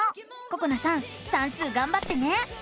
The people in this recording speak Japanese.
ここなさん算数がんばってね！